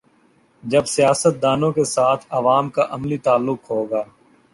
جب سیاست دانوں کے ساتھ عوام کا عملی تعلق ہو گا۔